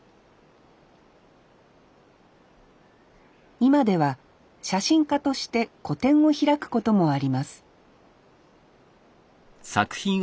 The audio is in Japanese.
今では写真家として個展を開くこともあります